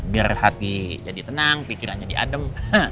biar hati jadi tenang pikirannya jadi adem